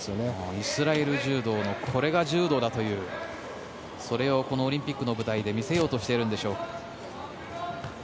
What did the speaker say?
イスラエル柔道のこれが柔道だというそれをこのオリンピックの舞台で見せようとしているんでしょうか。